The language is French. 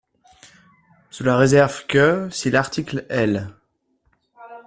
Sous la réserve que, si l’article L.